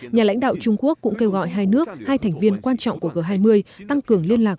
nhà lãnh đạo trung quốc cũng kêu gọi hai nước hai thành viên quan trọng của g hai mươi tăng cường liên lạc